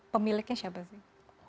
pemiliknya siapa sih